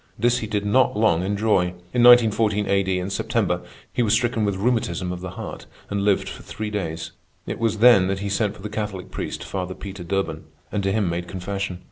This he did not long enjoy. In 1914 A.D., in September, he was stricken with rheumatism of the heart and lived for three days. It was then that he sent for the Catholic priest, Father Peter Durban, and to him made confession.